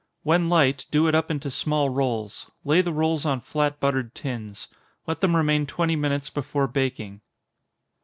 When light, do it up into small rolls lay the rolls on flat buttered tins let them remain twenty minutes before baking.